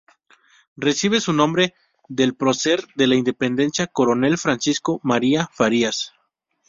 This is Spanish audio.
Recibe su nombre del prócer de la independencia Coronel Francisco María Farías.